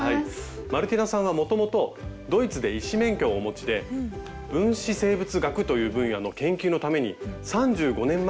マルティナさんはもともとドイツで医師免許をお持ちで分子生物学という分野の研究のために３５年前に来日されたんですよね。